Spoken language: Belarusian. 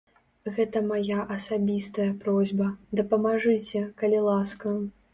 Гэта мая асабістая просьба, дапамажыце, калі ласка.